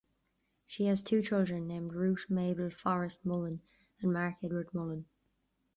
She had two children named Ruth Mabel Forrest Mullen and Mark Edward Mullen.